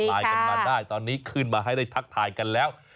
ไลน์กันมาได้ตอนนี้ขึ้นมาให้ได้ทักทายกันแล้ว